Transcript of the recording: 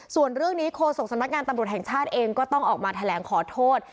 ส่วนเรื่องนี้โคศกสำนักงานตำรวจแห่งชาติเองก็ต้องออกมาแถลงขอโทษ